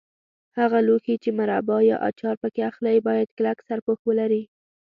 هغه لوښي چې مربا یا اچار پکې اخلئ باید کلک سرپوښ ولري.